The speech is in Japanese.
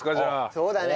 そうだね。